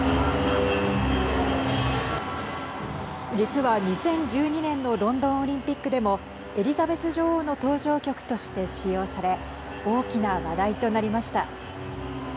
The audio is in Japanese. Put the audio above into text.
実は、２０１２年のロンドンオリンピックでもエリザベス女王の登場曲として使用され大きな話題となりました。